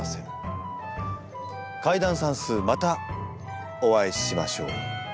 解談算数またお会いしましょう。